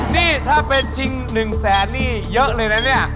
นี่ถ้าเป็นชิง๑แสนนี่เยอะเลยนะเนี่ย